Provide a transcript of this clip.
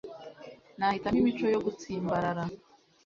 nahitamo imico yo gutsimbarara